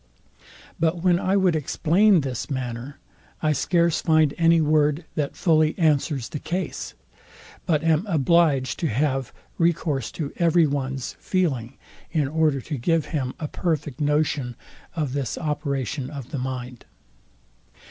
But when I would explain this manner, I scarce find any word that fully answers the case, but am obliged to have recourse to every one's feeling, in order to give him a perfect notion of this operation of the mind.